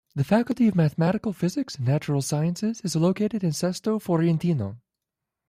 The Faculty of Mathematical, Physical and Natural Sciences is located in Sesto Fiorentino.